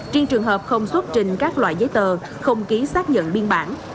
trên trường hợp không xuất trình các loại giấy tờ không ký xác nhận biên bản